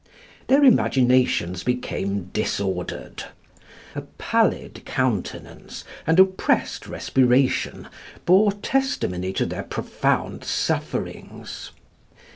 Their imaginations became disordered a pallid countenance and oppressed respiration bore testimony to their profound sufferings.